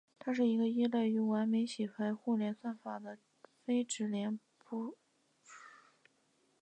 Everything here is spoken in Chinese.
它是一个依赖于完美洗牌互联算法的非直连拓扑。